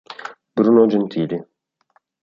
Bruno Gentili